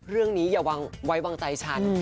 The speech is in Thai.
เรื่องนี้อย่าไว้วางใจฉัน